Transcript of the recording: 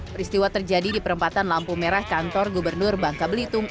peristiwa terjadi di perempatan lampu merah kantor gubernur bangka belitung